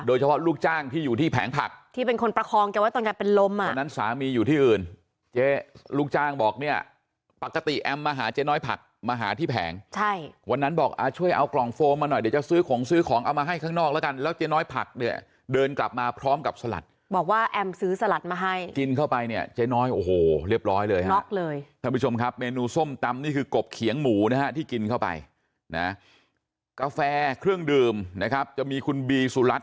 โดยเฉพาะลูกจ้างที่อยู่ที่แผงผักที่เป็นคนประคองแกว่าตอนแกเป็นลมอ่ะเพราะนั้นสามีอยู่ที่อื่นเจ๊ลูกจ้างบอกเนี่ยปกติแอมมาหาเจ๊น้อยผักมาหาที่แผงใช่วันนั้นบอกช่วยเอากล่องโฟมมาหน่อยเดี๋ยวจะซื้อของซื้อของเอามาให้ข้างนอกแล้วกันแล้วเจ๊น้อยผักเนี่ยเดินกลับมาพร้อมกับสลัดบอกว่าแอมซื้อสล